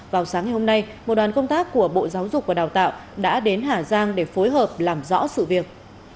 vào sáng ngày hôm nay một đoàn công tác của bộ giáo dục và đào tạo đã đến hà giang để phối hợp làm rõ sự việc